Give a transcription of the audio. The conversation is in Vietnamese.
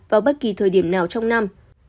vào bất kỳ thời điểm nào trong năm